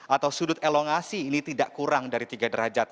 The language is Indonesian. atau sudut elongasi ini tidak kurang dari tiga derajat